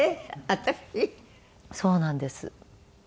そうなんです。